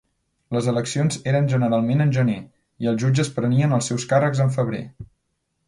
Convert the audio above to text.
Les eleccions eren generalment en gener, i els jutges prenien els seus càrrecs en febrer.